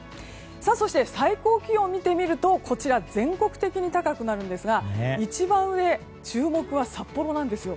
そして最高気温を見てみるとこちら全国的に高くなるんですが一番上、注目は札幌です。